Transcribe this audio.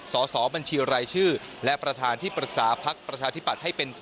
สอบบัญชีรายชื่อและประธานที่ปรึกษาพักประชาธิปัตย์ให้เป็น